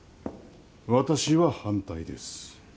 私は反対です。